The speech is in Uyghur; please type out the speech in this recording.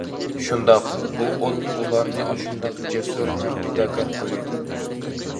شۇنداق، بۇ ئوت ئۇلارنى ئاشۇنداق جەسۇر ھەم پىداكار قىلىۋېتىدۇ.